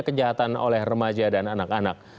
kejahatan oleh remaja dan anak anak